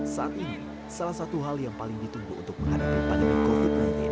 saat ini salah satu hal yang paling ditunggu untuk menghadapi pandemi covid sembilan belas